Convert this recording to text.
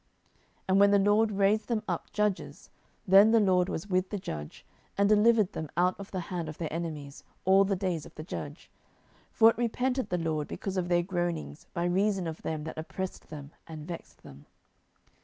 07:002:018 And when the LORD raised them up judges, then the LORD was with the judge, and delivered them out of the hand of their enemies all the days of the judge: for it repented the LORD because of their groanings by reason of them that oppressed them and vexed them.